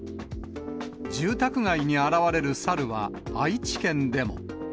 住宅街に現れる猿は愛知県でも。